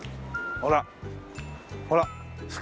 ほらほら。